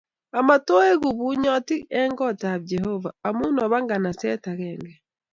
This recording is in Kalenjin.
Amatoeku bunyotik eng kot ab Jehovah amu oba nganaset agenge